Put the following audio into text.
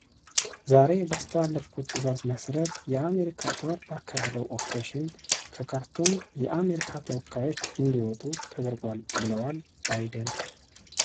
ዛሬ ባስተላለፍኩት ትዕዛዝ መሠረት የአሜሪካ ጦር ባካሄደው ኦፕሬሽን ከካርቱም የአሜሪካ ተወካዮች እንዲወጡ ተደርጓል ብለዋል ባይደን።